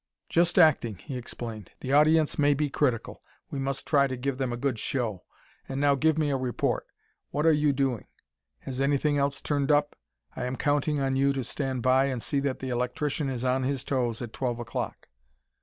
"Just acting," he explained. "The audience may be critical; we must try to give them a good show! And now give me a report. What are you doing? Has anything else turned up? I am counting on you to stand by and see that that electrician is on his toes at twelve o'clock."